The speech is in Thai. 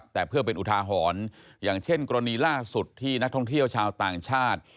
แต่เพื่อเป็นอุทาหรณ์อย่างเช่นกรณีล่าสุดที่นักท่องเที่ยวชาวต่างชาติ